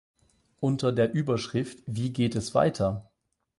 Unter der Überschrift: Wie geht es weiter?